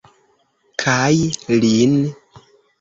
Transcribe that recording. Kaj lin.